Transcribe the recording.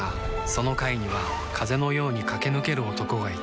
その階には風のように駆け抜ける男がいた